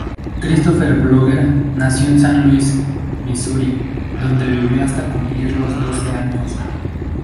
Christopher Vogler nació en San Luis, Misuri, donde vivió hasta cumplir los doce años.